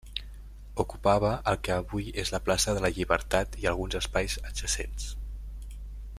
Ocupava el que avui és la plaça de la Llibertat i alguns espais adjacents.